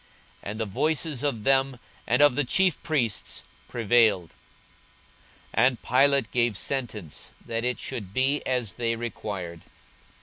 And the voices of them and of the chief priests prevailed. 42:023:024 And Pilate gave sentence that it should be as they required.